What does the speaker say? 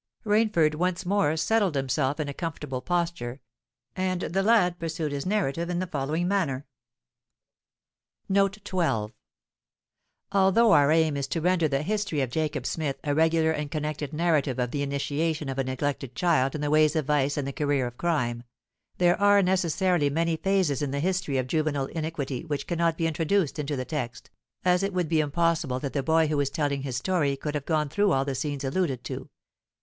Rainford once more settled himself in a comfortable posture; and the lad pursued his narrative in the following manner. Footnote 12: Although our aim is to render the "History of Jacob Smith" a regular and connected narrative of the initiation of a neglected child in the ways of vice and the career of crime, there are necessarily many phases in the history of juvenile iniquity which cannot be introduced into the text, as it would be impossible that the boy who is telling his story could have gone through all the scenes alluded to.